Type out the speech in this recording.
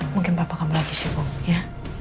mungkin bapak kamu lagi sibuk ya